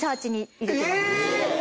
え⁉